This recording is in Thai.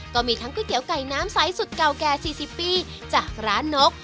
ก็มีทั้งก๋วยเตี๋ยวไก่น้ำไซส์สุดเก่าแก่๔๐ปีจากร้านนก